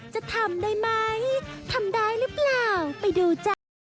จะทำได้ไหมทำได้หรือเปล่าไปดูจ้า